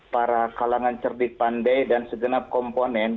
para kalangan cerdik pandai dan segenap komponen